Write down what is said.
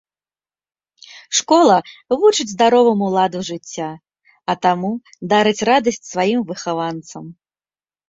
Школа вучыць здароваму ладу жыцця, а таму дарыць радасць сваім выхаванцам.